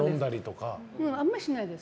あんまりしないです。